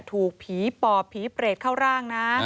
ถูกผีปอบผีเปรตเข้าร่างนะ